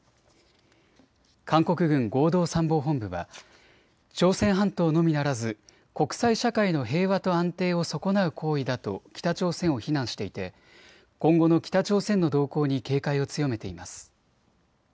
韓国軍合同参謀本部は朝鮮半島のみならず国際社会の平和と安定を損なう行為だと北朝鮮を非難していて今後の北朝鮮の動向に警戒を強めています。